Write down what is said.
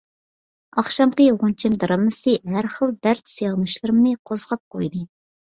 ئاخشامقى غۇنچەم دىرامىسى ھەر خىل دەرد، سېغىنىشلىرىمنى قوزغاپ قويدى.